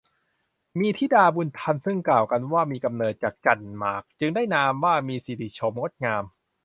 มีธิดาบุญธรรมซึ่งกล่าวกันว่ามีกำเนิดจากจั่นหมาก จึงได้นามว่า มีสิริโฉมงดงาม